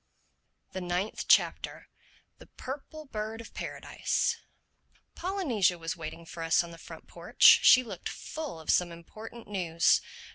THE NINTH CHAPTER THE PURPLE BIRD OF PARADISE POLYNESIA was waiting for us in the front porch. She looked full of some important news.